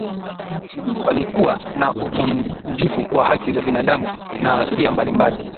Plikuwa na uvunjifu wa haki za binadamu na ghasia mbalimbali